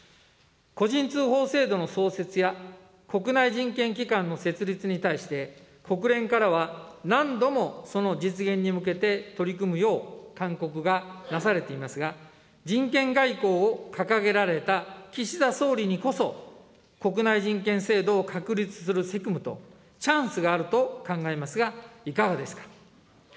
個人通報制度の創設や、国内人権機関の設立に対して、国連からは何度もその実現に向けて取り組むよう勧告がなされていますが、人権外交を掲げられた岸田総理にこそ、国内人権制度を確立する責務とチャンスがあると考えますがいかがですか。